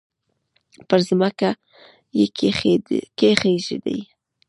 پر مځکه یې کښېږده!